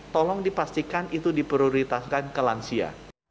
tolong dipastikan itu diprioritaskan ke lansia